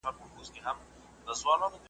چي ژوندى يم همېشه به مي دا كار وي `